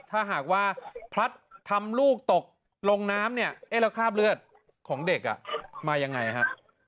ถ้าหากว่าพลัดทำลูกตกลงน้ำเนี่ยเอ๊ะแล้วคราบเลือดของเด็กมายังไงฮะ